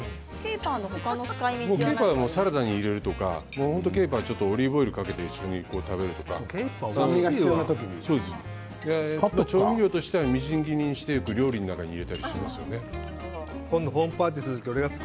ケイパーはサラダに入れるとかケイパーはオリーブオイルをかけて食べるとか調味料としてはみじん切りにして料理の中に入れてもいいですよ。